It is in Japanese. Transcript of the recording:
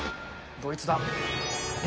どいつだ。